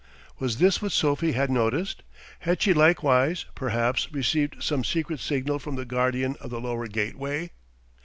Was this what Sophie had noticed? Had she likewise, perhaps, received some secret signal from the guardian of the lower gateway?